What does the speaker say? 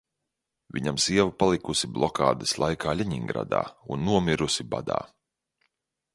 Viņam sieva palikusi blokādes laikā Ļeningradā un nomirusi badā.